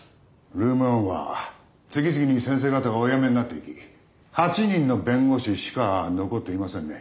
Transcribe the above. ルーム１は次々に先生方がお辞めになっていき８人の弁護士しか残っていませんね。